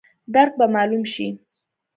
درک به مالوم شي.